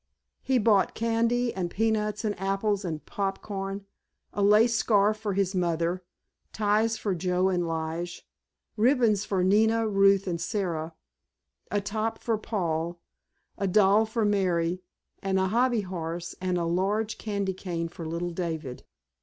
He bought candy and peanuts and apples and popcorn, a lace scarf for his mother, ties for Joe and Lige, ribbons for Nina, Ruth and Sara, a top for Paul, a doll for Mary, and a hobby horse and a large candy cane for little David.